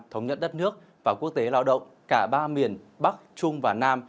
thống nhất đất nước và quốc tế lao động cả ba miền bắc trung và nam